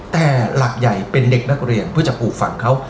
แต่หลักใหญ่เป็นเด็กนักเรียนเพื่อจะปลูกฝั่งเขา